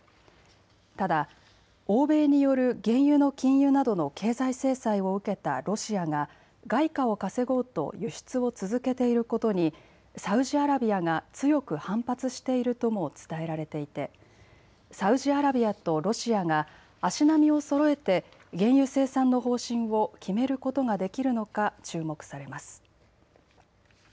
ただ欧米による原油の禁輸などの経済制裁を受けたロシアが外貨を稼ごうと輸出を続けていることにサウジアラビアが強く反発しているとも伝えられていてサウジアラビアとロシアが足並みをそろえて原油生産の方針を決めることができるのか注目されます。